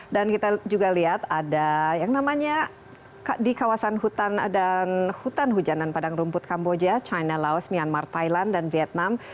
dan kita juga lihat ada yang namanya di kawasan hutan hujan dan padang rumput kamboja china laos myanmar thailand dan vietnam